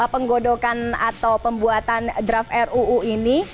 penggodokan atau pembuatan draft ruu ini